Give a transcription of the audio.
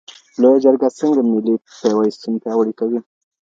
لویه جرګه څنګه ملي پیوستون پیاوړی کوي؟